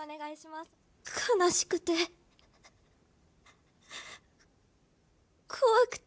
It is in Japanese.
悲しくて怖くて。